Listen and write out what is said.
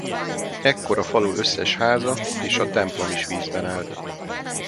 Ekkor a falu összes háza és a templom is vízben állt.